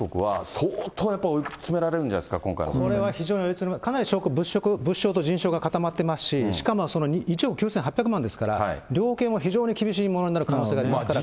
相当追い詰められて、かなり証拠、物証と人証が固まってますし、しかも１億９８００万ですから、量刑は非常に厳しいものになる可能性がありますから。